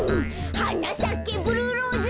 「はなさけブルーローズ」